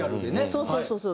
そうそうそうそう。